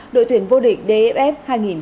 đội tuyển vô địch df hai nghìn một mươi chín